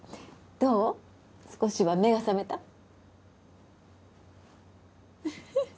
どう少しは目が覚めた？